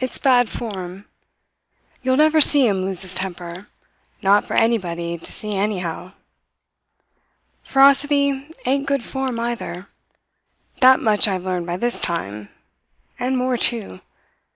It's bad form. You'll never see him lose his temper not for anybody to see anyhow. Ferocity ain't good form, either that much I've learned by this time, and more, too.